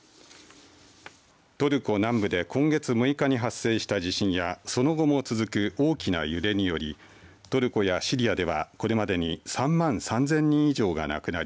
トルコ南部で今月６日に発生した地震やその後も続く大きな揺れによりトルコやシリアではこれまでに３万３０００人以上が亡くなり